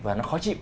và nó khó chịu